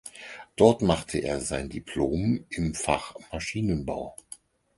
Dort machte er sein Diplom im Fach Maschinenbau.